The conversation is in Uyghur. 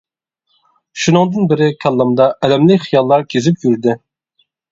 شۇنىڭدىن بېرى كاللامدا ئەلەملىك خىياللار كېزىپ يۈردى.